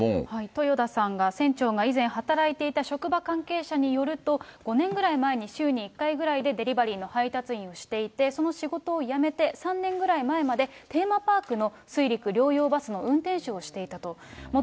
豊田さんは、船長が以前働いていた職場関係者によると、５年ぐらい前に、週に１回ぐらいでデリバリーの仕事をしていて、その仕事を辞めて、３人ぐらい前までテーマパークの水陸両用バスの運転手をしていたと。